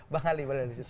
bang ali boleh disusul